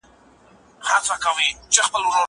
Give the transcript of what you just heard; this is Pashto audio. زه اجازه لرم چي خواړه ورکړم!!